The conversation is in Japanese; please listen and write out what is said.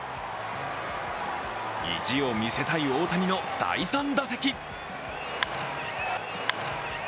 意地を見せたい大谷の第３打席。